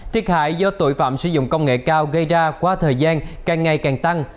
thiệt hại do tội phạm sử dụng công nghệ cao gây ra qua thời gian càng ngày càng tăng